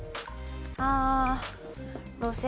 ああ。